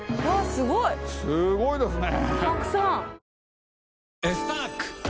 すごいですね。